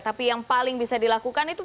tapi yang paling bisa dilakukan itu